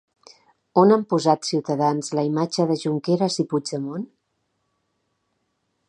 On han posat Ciutadans la imatge de Junqueras i Puigdemont?